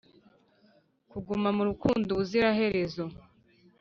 kuguma mu rukundo ubuziraherezo